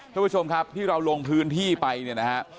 ทุกผู้ชมครับที่เราลงพื้นที่ไปเนี่ยนะฮะ